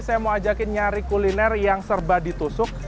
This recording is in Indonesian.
saya mau ajakin nyari kuliner yang serba ditusuk